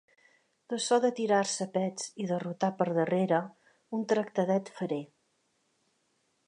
D'açò de tirar-se pets i de rotar per darrere, un tractadet faré.